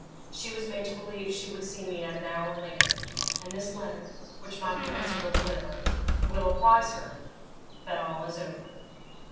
She was made to believe she would see me at a later hour, and this letter, which my confessor will deliver, will apprise her that all is over.'